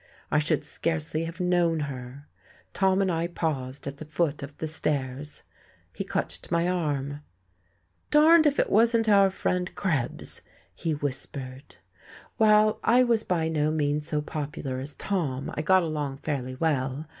I should scarcely have known her. Tom and I paused at the foot of the stairs. He clutched my arm. "Darned if it wasn't our friend Krebs!" he whispered. While I was by no means so popular as Tom, I got along fairly well.